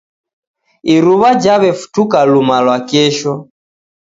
Iruwa jawefutuka luma lwa kesho.